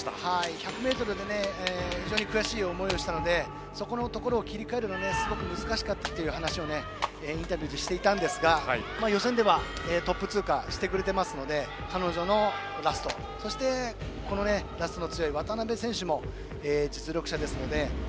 １００ｍで非常に悔しい思いをしたのでそこのところを切り替えるのがすごく難しかったという話をインタビューでしていたんですが予選ではトップ通過をしてくれていますので彼女のラストそしてラストの強い渡部選手も実力者ですので。